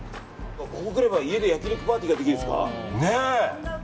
ここ来れば家で焼き肉パーティーができるんですか。